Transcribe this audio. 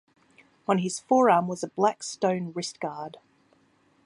On his forearm was a black stone wrist-guard.